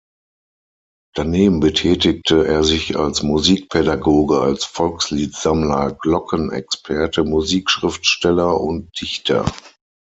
Daneben betätigte er sich als Musikpädagoge, als Volkslied-Sammler, Glocken-Experte, Musikschriftsteller und Dichter.